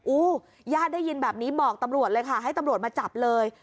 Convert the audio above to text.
ญาติได้ยินแบบนี้บอกตำรวจเลยค่ะให้ตำรวจมาจับเลย